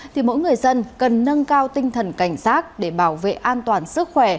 thì mỗi người dân cần nâng cao tinh thần cảnh sát để bảo vệ an toàn sức khỏe